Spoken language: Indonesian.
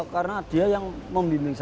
karena dia yang membimbing saya